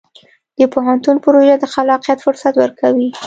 د پوهنتون پروژه د خلاقیت فرصت ورکوي.